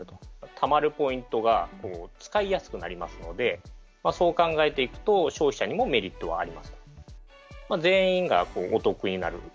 たまるポイントが使いやすくなりますので、そう考えていくと、消費者にもメリットはあります。